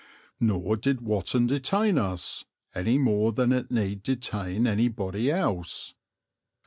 Nor did Watton detain us, any more than it need detain anybody else.